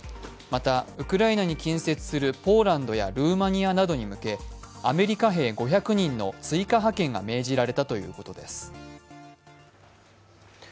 また、ウクライナに近接するポーランドやルーマニアに向けアメリカ兵５００人の追加派遣が命じられたということです。